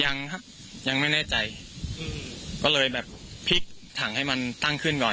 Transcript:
ยังครับยังไม่แน่ใจอืมก็เลยแบบพลิกถังให้มันตั้งขึ้นก่อน